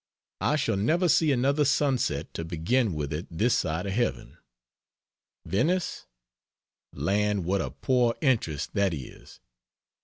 I shall never see another sunset to begin with it this side of heaven. Venice? land, what a poor interest that is!